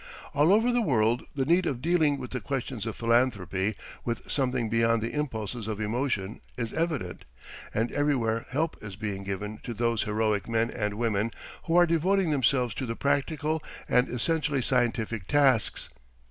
All over the world the need of dealing with the questions of philanthropy with something beyond the impulses of emotion is evident, and everywhere help is being given to those heroic men and women who are devoting themselves to the practical and essentially scientific tasks.